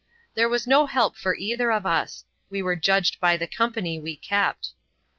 There was no help for either of us — we were judged by the company we kept.